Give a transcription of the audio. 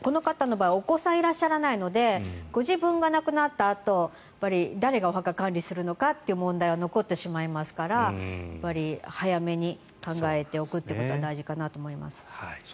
この方の場合はお子さんがいらっしゃらないので自分が亡くなったあと誰がお墓を管理するのかという問題が残ってしまいますから早めに考えておくことは大事かなと思います。